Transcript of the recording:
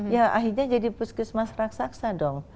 ya akhirnya jadi puskesmas raksasa dong